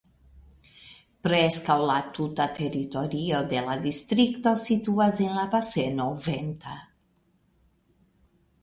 Preskaŭ la tuta teritorio de la distrikto situas en la baseno Venta.